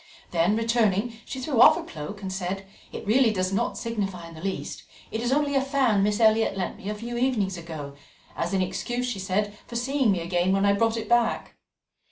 Then returning, she threw off her cloak and said: "It really does not signify in the least; it is only a fan Miss Elliot lent me a few evenings ago as an excuse, she said, for seeing me again when I brought it back."